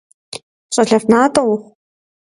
Щӏалэфӏ натӏэ ухъу!